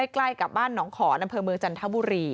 ใกล้กับบ้านหนองขอนอำเภอเมืองจันทบุรี